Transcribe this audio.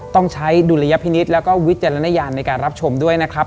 ต้องใช้ดุลยพินิษฐ์แล้วก็วิจารณญาณในการรับชมด้วยนะครับ